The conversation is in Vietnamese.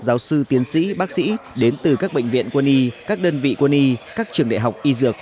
giáo sư tiến sĩ bác sĩ đến từ các bệnh viện quân y các đơn vị quân y các trường đại học y dược